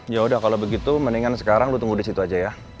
yaudah kalau begitu mendingan sekarang lo tunggu disitu aja ya